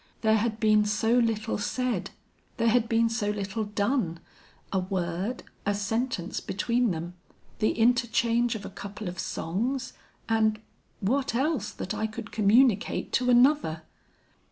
There had been so little said; there had been so little done. A word, a sentence between them, the interchange of a couple of songs, and What else that I could communicate to another?